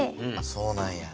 そうなんや。